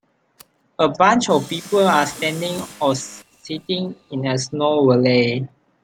A bunch of people are standing or sitting in a snow valley.